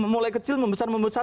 mulai kecil membesar membesar